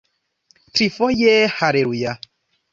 Trifoje haleluja!